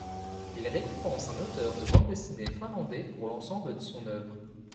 Il récompense un auteur de bande dessinée finlandais pour l'ensemble de son œuvre.